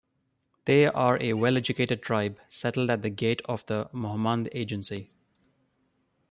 They are a well-educated tribe settled at the gate of the Mohmand Agency.